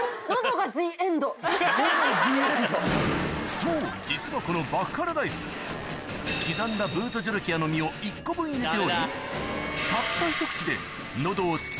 そう実はこの爆辛ライス刻んだブート・ジョロキアの実を１個分入れておりたったひと口で喉をヤバい！